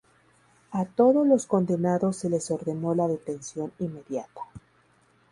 A todos los condenados se les ordenó la detención inmediata.